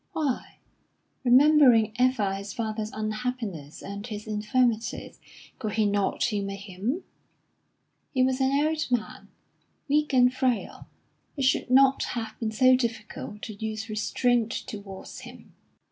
Why, remembering ever his father's unhappiness and his infirmities, could he not humour him? He was an old man, weak and frail; it should not have been so difficult to use restraint towards him.